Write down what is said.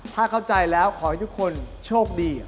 ถ้าเข้าใจแล้วขอให้ทุกคนโชคดี